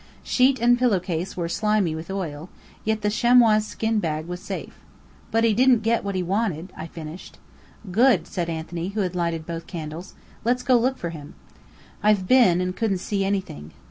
Sheet and pillow case were slimy with oil, yet the chamois skin bag was safe. "But he didn't get what he wanted!" I finished. "Good," said Anthony, who had lighted both candles. "Let's go look for him." "I've been, and couldn't see anything."